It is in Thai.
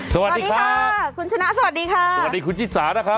สวัสดีค่ะคุณชนะสวัสดีค่ะสวัสดีคุณชิสานะครับ